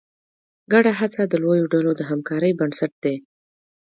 ګډه هڅه د لویو ډلو د همکارۍ بنسټ دی.